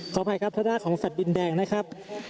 ขออภัยครับทางด้านของสัตว์ดินแดงนะครับ